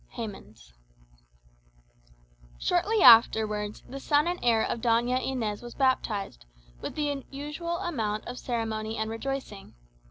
Hemans Shortly afterwards, the son and heir of Doña Inez was baptized, with the usual amount of ceremony and rejoicing.